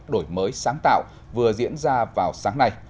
đổi mới sáng tạo vừa diễn ra vào sáng nay